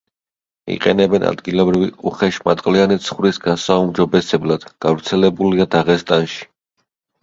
იყენებენ ადგილობრივი უხეშმატყლიანი ცხვრის გასაუმჯობესებლად, გავრცელებულია დაღესტანში.